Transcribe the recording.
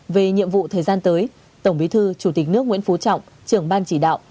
về nhiệm vụ thời gian tới tổng bí thư chủ tịch nước nguyễn phú trọng trưởng ban chỉ đạo